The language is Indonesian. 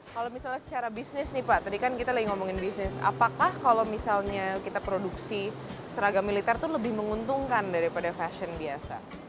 kalau misalnya secara bisnis nih pak tadi kan kita lagi ngomongin bisnis apakah kalau misalnya kita produksi seragam militer itu lebih menguntungkan daripada fashion biasa